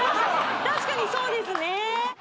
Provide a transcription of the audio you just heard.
確かにそうですね